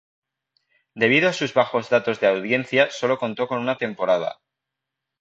Debido a sus bajos datos de audiencia solo contó con una temporada.